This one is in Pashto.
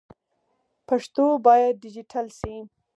پښتو باید ډيجيټل سي.